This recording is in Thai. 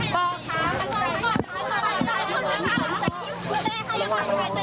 ปอค่ะ